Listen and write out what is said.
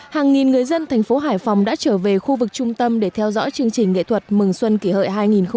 hàng nghìn người dân thành phố hải phòng đã trở về khu vực trung tâm để theo dõi chương trình nghệ thuật mừng xuân kỷ hợi hai nghìn một mươi chín